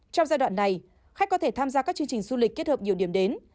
trong giai đoạn này khách có thể tham gia các chương trình du lịch kết hợp nhiều điểm đến